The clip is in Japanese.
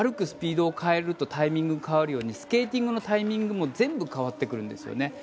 スピードを変えるとタイミングが変わるようにスケーティングのタイミングも全部変わってくるんですよね。